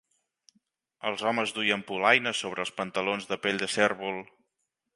Els homes duien polaines sobre els pantalons de pell de cérvol.